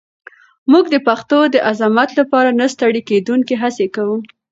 موږ د پښتو د عظمت لپاره نه ستړې کېدونکې هڅې کوو.